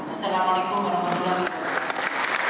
wassalamu'alaikum warahmatullahi wabarakatuh